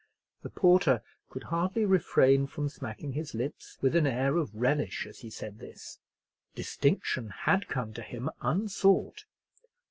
The porter could hardly refrain from smacking his lips with an air of relish as he said this. Distinction had come to him unsought.